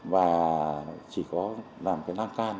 và chỉ có làm cái năng can